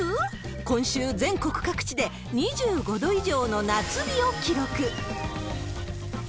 今週、全国各地で２５度以上の夏日を記録。